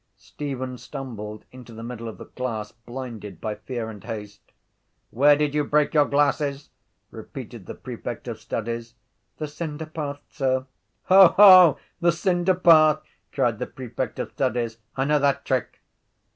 Stephen stumbled into the middle of the class, blinded by fear and haste. —Where did you break your glasses? repeated the prefect of studies. —The cinderpath, sir. —Hoho! The cinderpath! cried the prefect of studies. I know that trick.